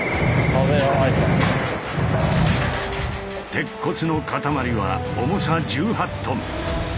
鉄骨の塊は重さ１８ｔ。